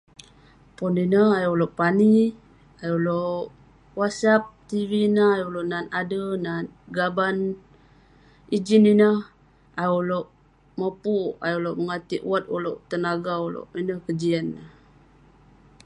pon ineh ayuk ulouk pani, ayuk ulouk whatsaap, tv ineh ayuk ulouk nat ade, nat gaban, ijin ineh ayuk ulouk mopuk ayuk ulouk mengatik wat ulouk tenaga ulouk, ineh kejian neh.